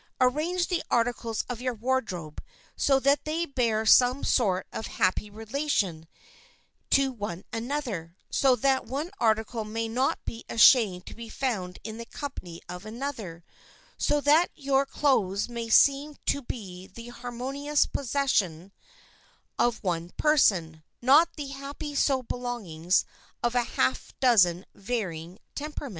Arrange the articles of your wardrobe so that they bear some sort of happy relation to one another, so that one article may not be ashamed to be found in the company of any other, so that your clothes may seem to be the harmonious possession of one person, not the happen so belongings of a half dozen varying temperaments.